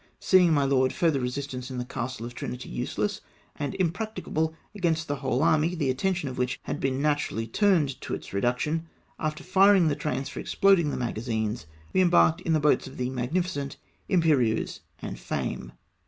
Seeing, my lord, farther resistance in the castle of Trinity useless, and impracticable against the whole army, the attention of which had naturally turned to its reduction ; after firing the trains for exploding the magazines, we em barked in the boats of the Magnificent, Imperieuse, and Fame.